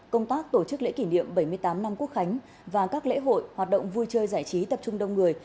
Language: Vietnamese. công tác tổ chức lễ kỷ niệm bảy mươi tám năm quốc khánh và các lễ hội hoạt động vui chơi giải trí tập trung đông người